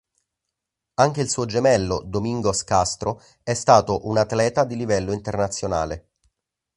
Anche il suo gemello Domingos Castro è stato un atleta di livello internazionale.